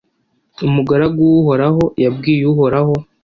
umugaragu w’Uhoraho Yabwiye Uhoraho